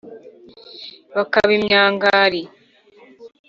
Bakaba imyangari